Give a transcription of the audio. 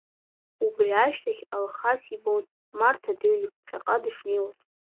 Убри ашьҭахь, Алхас ибон, Марҭа дыҩны, ԥхьаҟа дышнеиуаз.